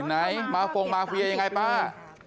ไหนมาโครงมาฟเฟีย์อย่างไรป้า